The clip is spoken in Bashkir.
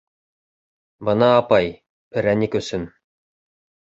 — Бына, апай, перәник өсөн...